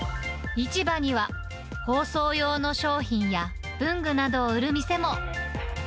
市場には、包装用の商品や、文具などを売る店も。